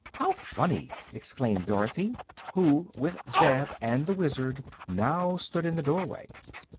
"How funny!" exclaimed Dorothy, who with Zeb and the Wizard now stood in the doorway.